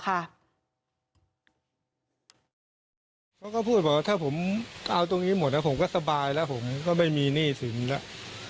เขาก็พูดบอกว่าถ้าผมเอาตรงนี้หมดผมก็สบายแล้วผมก็ไม่มีหนี้สินแล้ว